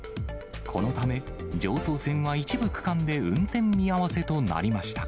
このため、常総線は一部区間で運転見合わせとなりました。